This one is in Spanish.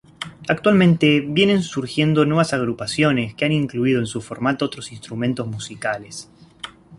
Actualmente vienen surgiendo nuevas agrupaciones que han incluido en su formato otros instrumentos musicales.